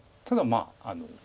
ただまあ